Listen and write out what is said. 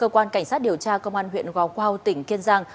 cơ quan cảnh sát điều tra công an huyện gò quao tỉnh kiên giang